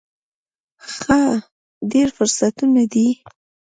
ښه، ډیر فرصتونه دي